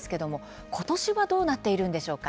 ことしはどうなっているんでしょうか。